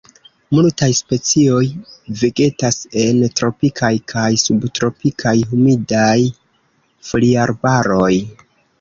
Multaj specioj vegetas en tropikaj kaj subtropikaj humidaj foliarbaroj.